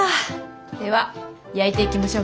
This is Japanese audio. では焼いていきましょうか！